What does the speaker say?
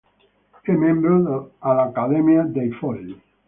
È membro all'Accademia dei folli.